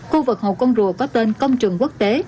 khu vực hồ con rùa có tên công trường quốc tế